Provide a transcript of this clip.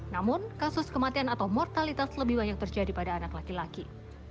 namun kasus kematian atau mortalitas lebih banyak terjadi pada anak laki laki